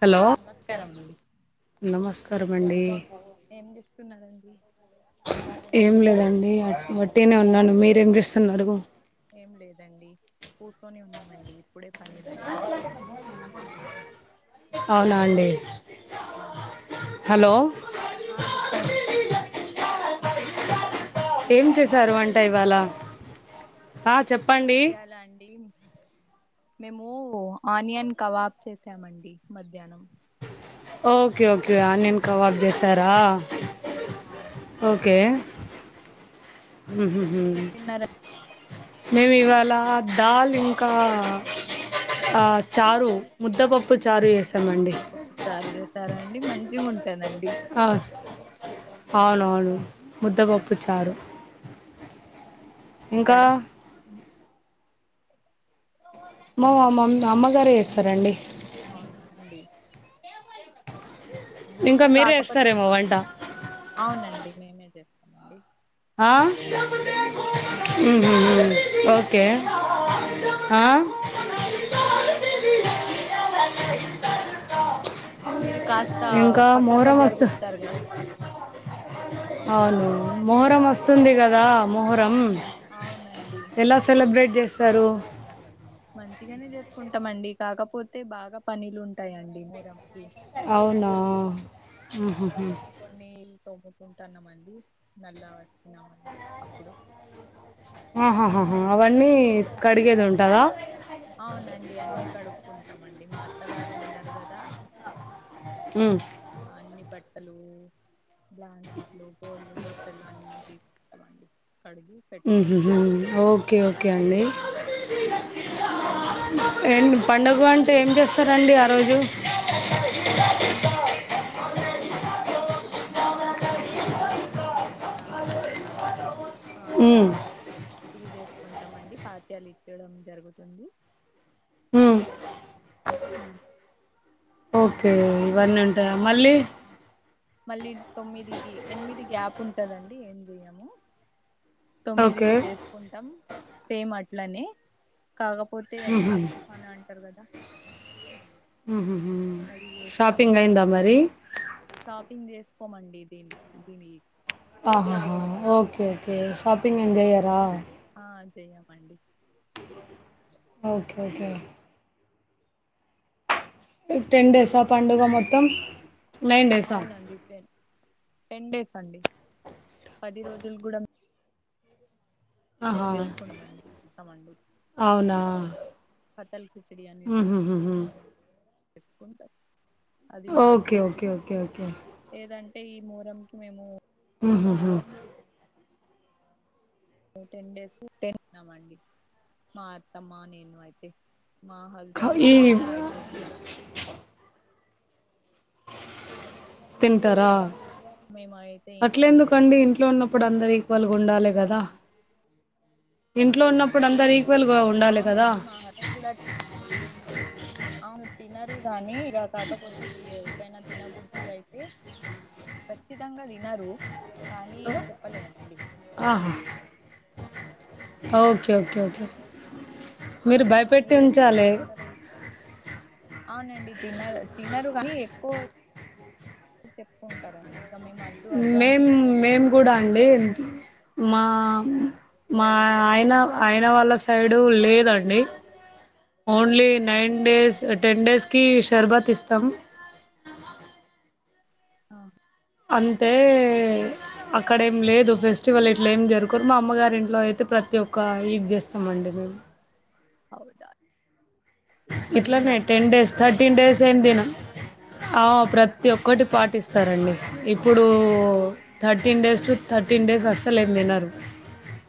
Hello నమస్కారం అండి నమస్కారమండి ఏం చేస్తున్నారండి ఏం లేదండి వట్టిగనే ఉన్నాను మీరేం చేస్తున్నరు ఏం లేదండి కూర్చొని ఉన్నామండి ఇప్పుడే పనులు అయ్యాయి అవునా అండి అవునండి హలో ఆ చెప్పండి ఏం చేశారు వంట ఇవాళ ఆ చెప్ప ఇయాలా అండి మేము ఆనియన్ కబాబ్ చేసామండి మధ్యాహ్నం ఓకే ఓకే ఆనియన్ కబాబ్ చేసారా అవునండి హూ హమ్ తిన్నారా మేము ఇవాళ దాల్ ఇంకా చారు ముద్దపప్పు చారు చేసి ముద్దపప్పు చారు చేేశారండి మంచిగా ఉంటు ఆ అవునవును ముద్దపప్పు చారు ఇంకా చేసారా మా మమ్ అమ్మగారే చేస్తారండి అవునా అండి ఇంకా మీకు మీరే కాకపోతే చేస్తారేమో వంట అవునండి మేమే చేస్తామండి ఆ హు మేమే చేస్తామండి ఇంట్లో హమ్ ఓకే ఆ కా [inaudible] మీరు కాస్త ఇంకా పక్కాక మొహరం వస్తు జరుగుతారు కా అవును మొహరం వస్తుంది కదా మొహరం అవునండి ఎలా సెలబ్రేట్ చేస్తు తారు మంచిగానే చేసుకుంటామండి కాకపోతే బాగా పనీలు ఉంటాయండి మోహరంకి అవునా అలా ఉహుహు కొన్ని కొన్ని తవ్వుకుంటున్నామండి మళ్ళా అప్పుడు ఆహాహా అవన్నీ కడిగేది ఉంటాదా? అవునండి అన్ని కడుక్కుంటామండి మా అత్తగారు ఉన్నారు కదా? ఉమ్ అన్నీ బట్టలు బ్లాంకెట్లు, బోళ్ళు, బట్టలు తీపిస్తామండి. హు హూ హూ ఓకే ఓకే అండి ఏం పండుగ మీ- అంటే ఏం చేస్తారండి ఆ రోజు. ఆ యమ్మిని మాంటికి సెవెన్ డేస్ కిచెడి ఆలు, బై పట్ట మలిదా ఆ ఉమ్ షర్బత్ ఇది చేేసుకుంటామండి పత్యాలు ఇచ్చడం జరుగుతుంది. మ్ [inaudible] ఓకే ఇవన్నీ ఉంటాయా మళ్ళీ మళ్ళీ తొమ్మిది ఈ ఎనిమిది గ్యాప్ ఉంటదండి ఏం చేయము. ఓకే తొమ్మిదికి చేసుకుంటాం సేమ్ అట్లనే. కాకపోతే అది బురఖానా అంటారు కదా? ఉహుహు అది చేస్తాము షాపింగ్ అయిందా మరి షాపింగ్ చేసి చెప్పమండి ఇది ఆహాహా ఓకే ఓకే షాపింగ్ ఏం చేయ్యారా? ఆ చేయమండి. ఓకే ఓకే టెన్ డేస్ ఆ పండుగ మొత్తం. నైన్ డేసా అవునండి టన్ టెన్ డేస్ అండి. పది రోజులు కూడా ఆహా! మేము చేసుకున్నామండి అవునా పతళ్ కిచిడి అండి ఇది ఉహుహుహు వంట ఓకే ఓకే ఓకే ఓకే వెళ్ళి మోహారంకి మేము మ్ హు హూ టెన్ డేస్ ఉన్నామండి మా అత్తమ్మా నేను అయితే మా హస్బెండ్ ఇంగ ఈ బయట ఐదు రోజుల వరకు అండి తింటారా? మేము అయితే ఇంట్లో అట్లేందుకండి ఇంట్లో ఉన్నప్పుడు అందరూ ఈక్వల్గా చేసుకుంటామండి ఉండాలి కదా? ఇంట్లో ఉన్నప్పుడు అందరి అవునండి మా ఆయన కూడా అవును తినరు గానీ ఇక కాకపోతే ఎప్పుడైనా తినబుద్ధి అయితే ఖచ్చితంగా తినరు కానీ చెప్పలేమండి. ఆహ్ ఓకే ఓకే ఓకే మీరు భయపెట్టి మీరు ఎట్లా ఉంచాలి. చేసుకుంటారండి అవునండి. తినరు కానీ ఎక్కువ చెప్పుకుంటారండి ఇంక మేము వద్దు అద్దు అంటే మేము ఎక్కువ మేము కూడా చేస్తారండి అండి అందుకోసం మా మా ఆయన అయిన వాళ్ళ సైడు లేదండి only nine days ten days కి శర్బత్ ఇస్తాం ఆ అంతే అక్కడ ఏం లేదు ఫెస్టివల్ ఇట్ల ఏం జరుగురు మా అమ్మగారి ఇంట్లో అయితే ప్ర ప్రతి ఒక్క [unintelligible] చేస్తామండి మేము అవున ఇట్లనే టెన్ డేస్ కదా థర్టీన్ డేస్ ఏం తినం ఆ ప్రతి ఒక్కటి పాటిస్ స్తారండి ఇప్పుడు thirteen days to thirteen days అసలు ఎం తినరు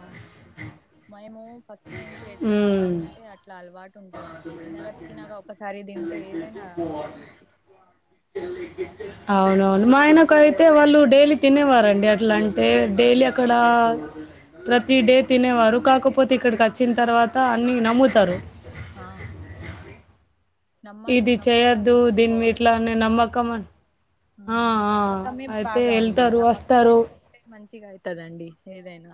అవునండి మేము [unintelligible] నుంచి ఎట్లా ఉంటే అట్లా అలవాటు ఉంటదండి తినగా తినగా ఒకసారి తింటే ఏదైన అయితదా అండి అవునవును మా ఆయనకు అయితే వాళ్ళు డైలీ తినేవారండి అట్ల అంటే డైలీ అక్కడ ప్రతి డే తినేవారు కాకపోతే ఇక్కడికి వచ్చిన తర్వాత అన్ని నమ్ముతారు ఆ నమ్మ ఇది చేయొద్దు నమ్మడమే దీని ఎక్కువ మీట్ల అనే నమ్మక నమ్మకమే బాగ అండి వెళ్తారు నమ్మకం వస్తారు పెట్టుకుంటే మం మంచిగా అయీతదండి ఏదైనా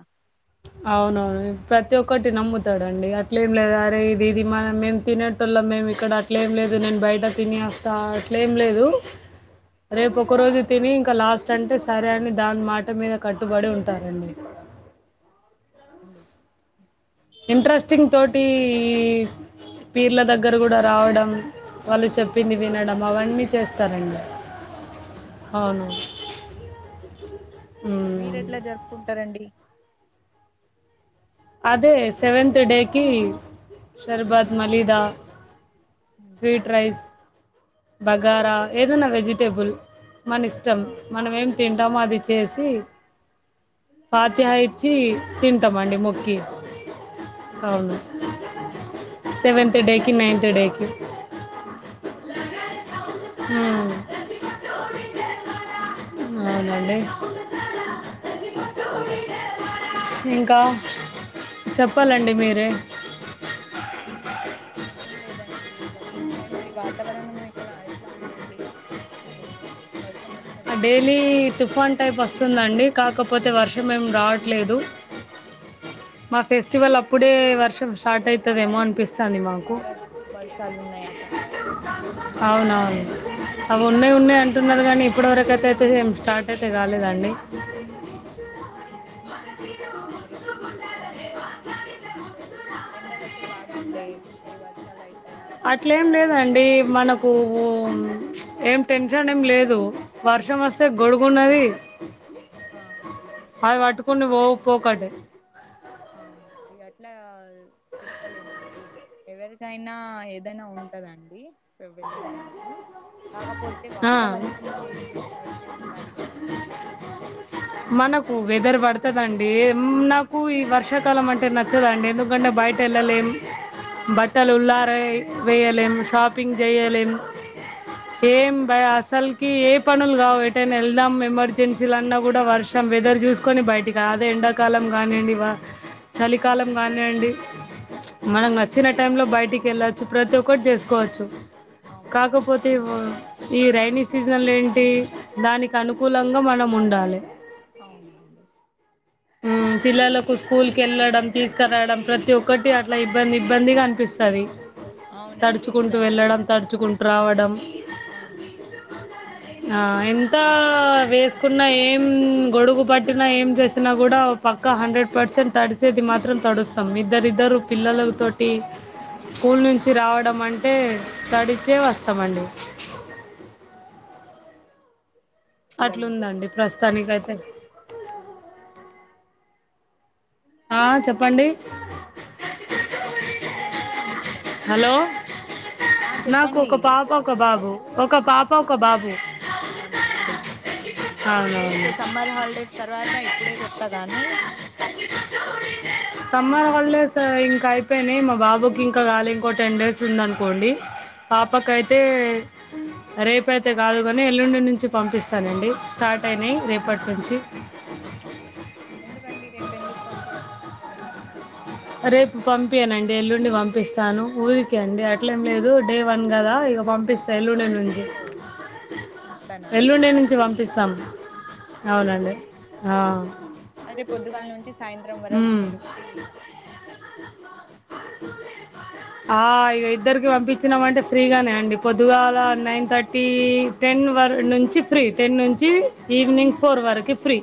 అవునవును ప్రతి ఒక్కటి నమ్ముతారండి అట్లేం లేదు అరే ఇది ఇది మనం మేము తిన హటల్లో మేము ఇక్కడ అట్లేం లేదు నేను బయట తినేస్తా అట్లేం లేదు రేపు ఒక రోజు ఆహా తిని ఇంకా లాస్ట్ అంటే సరే అని దాని మాట మీద కట్టుబడి ఉంటారండి ఉ ఇంట్రెస్టింగ్ తోటి పీర్ల దగ్గర కూడ రావడం వాళ్ళు చెప్ పింది ఆహా వినడం అవన్నీ చేస్తారండి అవునండి అవును మ్మ్. మీరు ఎట్ల జరుపుకుంటారండి అదే సెవెన్త్ డేకి షర్బత్ మలీదా ఉహు, స్వీట్ రైస్ బగార ఏదన్నా వెజిటేబుల్ మన ఇష్టం ఆహా మనం ఏం తింటామో అది ఆ, చేసి [unintelligible] ఉహు. ఇచ్చి తింటాం అండి మొక్కి అవును సెవెంత్ డేకి నైన్త్ డే కి హు అవునండి ఇంకా ఇంకా చెప్పాలండి మీరే సా ఏం లేదండి ఇక మీ సైడు మరి వాతావరణం ఇట్ల ఎట్లా ఉందండి ఇప్పుడు వర్ డైలీ తుఫాన్ టైప్ వస్తుందండి కాకపోతే వర్షం ఏం రావట్లేదు మా ఫెస్టివల్ అప్పుడే వర్షం స్టార్ట్ అయీతదేమో అనిపిస్తుంది మాకు బాగా వర్షాలున్నాయట రేప్ నిన్న నుంచి అవునవును అవి ఉన్నయ్ ఉన్నయ్ అంటున్నారు గానీ ఇప్పటివరకైతే అయితే ఏం స్టార్ట్ అయితే గాలేదండి కుంటాన్రు మరి వాతావరణం ఓ ఎండలైతే బాగు డే [unintelligible] అట్లేం లేదండీ మనకు ఓం ఏం టెన్షన్ ఏం లేదు వర్షం వస్తే గొడుగున్నది అ అవి వట్టుకుని వోవ్ పోకంటె అవునండి అట్లా చెప్తలేనండీ ఎవరికైనా ఏదైనా ఉంటదండి వె వెళ్ళడానికి కాకపోతే ఆ, వాతావరణం చేంజేస్ అయితే ఉండాలి గదా అండి మన్ వెదర్ వడుతదండి ఉమ్ నాకు ఈ వర్షాకాలం అంటే నచ్చదండి ఎందుకంటే బయట ఎళ్ళలేం ఆహా బట్టలుల్లారె వెయ్యలేం షాపింగ్ జెయ్యలేం అ ఏం బై అసల్కి ఏ పనుల్ గావు ఎటైనా ఎళ్దాం ఎమర్జెన్సిలన్న గూడా వర్షం వెదర్ జూ చూసుకొని బయటికా అదే ఎండాకాలం గానీయండి వా చలికాలం గానీయండి మనం నచ్చిన టైం లో బయటికి ఎళ్ళొచ్చు ప్రతి ఒక్కటి జేసుకోవచ్చు అవునండి కాకపోతే ఇవ్ ఈ రైైనీ సీజన్ల ఏంటీ దానికి అనుకూలంగా మనం ఉండాలె అవునండి ఊ పిల్లలకు స్కూల్ కెళ్ళడం తీసుకురాడం ప్రతి ఒక్కటి అట్ల ఇబ్బంది ఇబ్బందిగా అనిపిస్తది అవునండి తడుచుకుంటూ వెళ్ళడం నిజంగానే తడుచుకుంటూ రావడం అవునండి ఆ ఎంత వేసుకున్నా ఏం గొడుగు పట్టినా ఏం జేస్ తిన్నా గూడా పక్క హండ్రెడ్ పర్సెన్ తడిసేది మాత్రం తడుస్తం ఇద్దరిద్దరు పిల్లల తో టి ఆహా. స్కూల్ నుంచి రావడం అంటే తడిచే వస్ తమండి అట్లుందండి ప్రస్తానికైతే ఆ చెప్పండి హలో ఆ నాకు చెప్పండి ఒక పాప ఒక బాబు ఒక పాప ఒక బాబు అవునా అండి ఊహు స్కూల్స్ అవునవును సమ్మర్ హాల్డేస్ తర్వాతై పుడే కొత్తగానే సమ్మర్ హాలిడేస్ ఇంకా అయిపోయినయ్, మా బాబుకి ఇంకా గాలే ఇంకో టెన్ డేస్ ఉందనుకోండి. అవునా పాపకైతే రేపైతే గాదు గాని ఎల్లుండి నుంచి పంపిస్తానండి స్టార్ట్ అయినయ్ రేపట్నుంచి అవును ఎందుకండి రేపు ఎందుకు పంపియరు ఏదైనా ఉందా రేపు పంపియనండి ఎల్లుండి వంపిస్తాను ఊరికి అండి అట్లేం లేదు డే వన్ గదా ఉమ్, ఇగ పంపిస్తా ఎల్లుండి నుంచి ఓహో అట్లానా అండి ఎల్లుండి నుంచి వంపిస్తాం అవునా అవునండి అండి ఆ అయితే పొద్దుగాల నుంచి సాయంత్రం వరకు ఉమ్ మీరు ఫ్రీ ఇగ ఆ ఇగ ఇద్దరికి వంపించినమంటే ఫ్రీగానే అండి పొద్దుగాల నైన్ థట్టీ టె టెన్ వర్ నుంచి ఫ్రీ టెన్ నుంచి ఈవినింగ్ ఫోర్ వరకి ఫ్రీ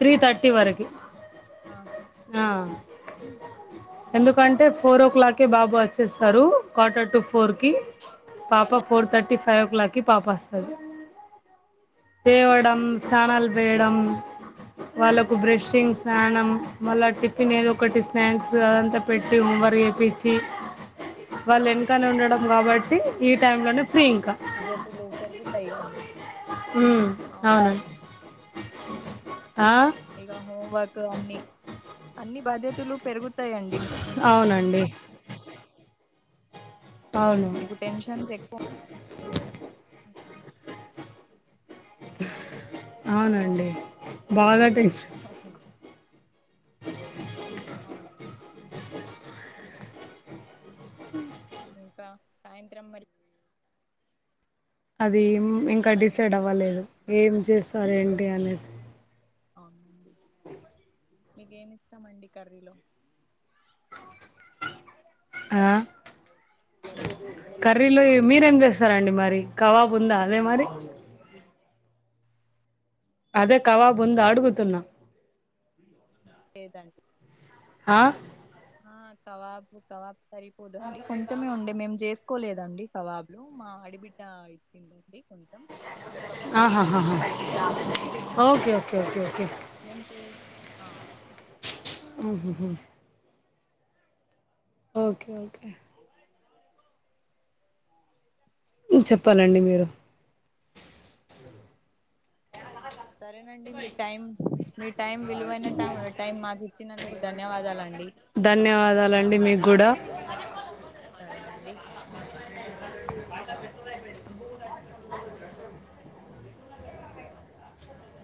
త్రీ ఆ, తర్టీ వరకి ఆహా. ఆ ఉమ్, ఎందుకు కంటే ఫోర్ ఓ క్లాకే బాబు వచ్చేస్తారు క్వార్టర్ టు ఫోర్కి పాప వాళ్ళ ఫోర్ థర్టీ ఫైవ్ ఓ క్లాక్కిి పాప వస్తది లేవడం స్నానాలు వేయడం వాళ్ళకు బ్రషింగ్స్ స్నానం అవునా అండి. మళ్ళా టిఫిన్ ఏది ఉహు. ఒకటి స్నాక్స్ అ పెట్టి హోంవర్క్ చేపిచి వాళ్ళ వెనకనే ఉండడం కాబట్టి ఈ టైంలోనే ఫ్రీ ఇంకా అదేతే [unintelligible] లోప పెరుగుతయి కండి అవునండి ఆ ఇక హోంవర్క్ అన్ని అన్ని బాధ్యతలు పెరుగుతాయండి అవునండి అవును మీకు టెన్షన్స్ ఎక్కువ అవు అవునండి బాగా టెన్ష ఆఓహో [inaudible] [inaudible] అవున్ ఇంకా సాయంత్రం మరి అది ఇంకా పని డిసైడ్ అయిందండి అవ్వలేదు ఏం చేస్తారు ఏంటి అనేసి అవునండి మీకేమి ఇష్టమండి కర్రీలో ఆ మ్మ్. కర్రీలో మీరేం చేస్తారండి మరి కబాబు ఉందా అదే మరి అదే కబాబు ఉంద అడుగుతున్నా లేదండి ఆ ఆ కబాబు కబాబు సరిపోదండి కొంచెమే ఉండే మేము చేస్త కోలేదండి కబాబు మా అడబిడ్డ ఇచ్చిందండి కొంచెం ఒక పూటకి ఆహాహహ ఓకే ఓకే ఓకే ఓకే ఏమిటి ఆ ఆహహ ఓకే ఓకే చెప్పాలండి మీరు సరేనండి మీ టైం మీ టైం విలువైన టై టైం మాకు ఇచ్చినందుకు ధన్యవాదాలండి ధన్యవాదాలు అండి మీకు కూడా సరేనండి అ పెట్ట [unintelligible]